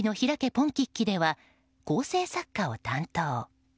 ポンキッキ」では構成作家を担当。